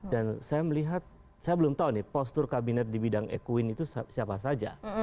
dan saya melihat saya belum tahu nih postur kabinet di bidang ekuin itu siapa saja